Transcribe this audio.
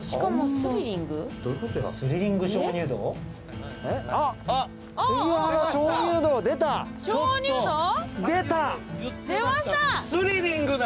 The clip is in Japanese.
スリリングな！